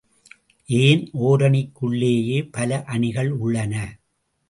ஏன், ஓரணிக் குள்ளேயே பல அணிகள் உள்ளன.